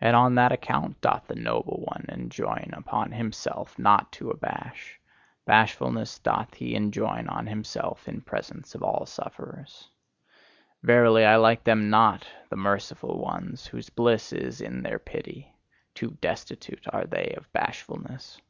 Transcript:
And on that account doth the noble one enjoin upon himself not to abash: bashfulness doth he enjoin on himself in presence of all sufferers. Verily, I like them not, the merciful ones, whose bliss is in their pity: too destitute are they of bashfulness.